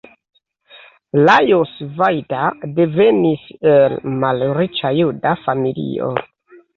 Lajos Vajda devenis el malriĉa juda familio.